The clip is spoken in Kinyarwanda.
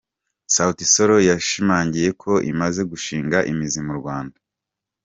Sauti Sol yashimangiye ko imaze gushinga imizi mu Rwanda.